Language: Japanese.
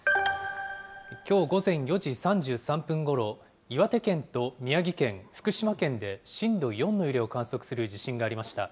きょう午前４時３３分ごろ、岩手県と宮城県、福島県で震度４の揺れを観測する地震がありました。